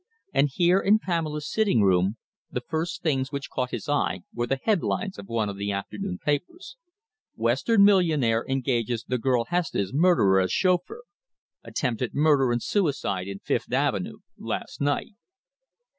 And here, in Pamela's sitting room, the first things which caught his eye were the headlines of one of the afternoon papers: WESTERN MILLIONAIRE ENGAGES THE GIRL HESTE'S MURDERER AS CHAUFFEUR! ATTEMPTED MURDER AND SUICIDE IN FIFTH AVENUE LAST NIGHT.